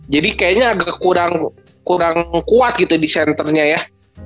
jadi kayaknya agak kurang kuat gitu di centernya ya